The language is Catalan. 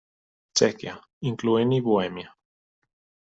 Txèquia, incloent-hi Bohèmia.